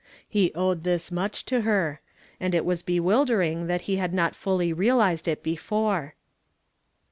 He owed thus much to lier, and it was bewildering, that he had lot fully realized it before.